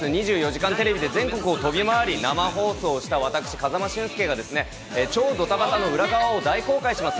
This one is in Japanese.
『２４時間テレビ』で全国を飛び回り生放送した私、風間俊介が超ドタバタの裏側を大公開します。